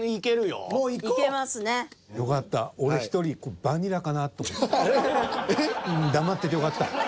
よかった。